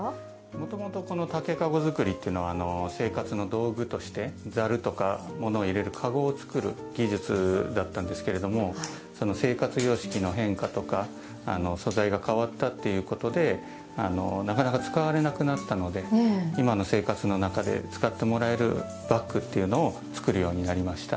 もともとこの竹籠作りというのは生活の道具としてざるとか物を入れる籠を作る技術だったんですけれども生活様式の変化とか素材が変わったっていうことでなかなか使われなくなったので今の生活の中で使ってもらえるバッグっていうのを作るようになりました。